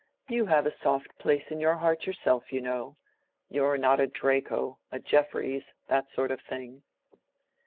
You have a soft place in your heart yourself, you know—you're not a Draco, a Jeffreys, that sort of thing."